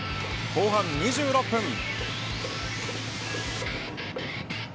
後半２６分。